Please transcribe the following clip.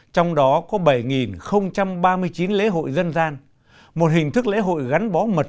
trong đó có bảy ba mươi chín lễ hội dân gian một hình thức lễ hội gắn bó mật